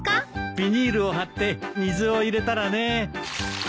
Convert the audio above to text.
ビニールを張って水を入れたらね。